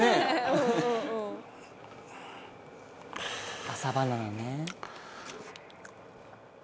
大西：朝バナナね。